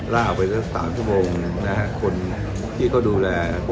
ร่าไปตั้งสามเชื้อโมงนะครับคนที่เขาดูแล